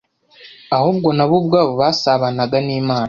ahubwo na bo ubwabo basabanaga n’Imana